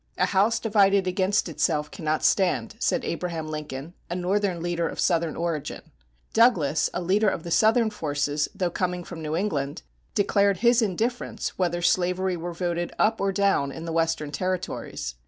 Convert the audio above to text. "A house divided against itself cannot stand," said Abraham Lincoln, a Northern leader of Southern origin. Douglas, a leader of the Southern forces, though coming from New England, declared his indifference whether slavery were voted up or down in the Western Territories.